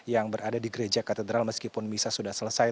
yang berada di gereja katedral meskipun misa sudah selesai